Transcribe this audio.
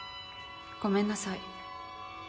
ごめんなさい。